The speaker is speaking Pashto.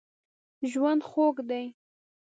ژوند خوږ دی.